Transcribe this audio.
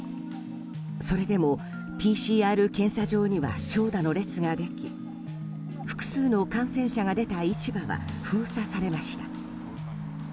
それでも、ＰＣＲ検査場には長蛇の列ができ複数の感染者が出た市場は封鎖されました。